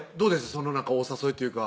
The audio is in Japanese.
そのお誘いっていうか